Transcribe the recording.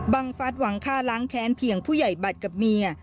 ฟัดหวังฆ่าล้างแค้นเพียงผู้ใหญ่บัตรกับเมีย